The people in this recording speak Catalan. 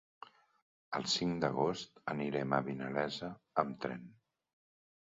El cinc d'agost anirem a Vinalesa amb tren.